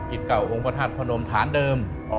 เก่าองค์พระธาตุพระนมฐานเดิม